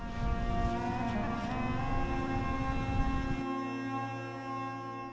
silat harimau pasaman